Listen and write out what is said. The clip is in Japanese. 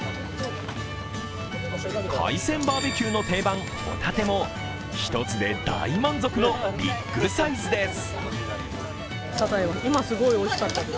海鮮バーベキューの定番ホタテも１つで大満足のビッグサイズです。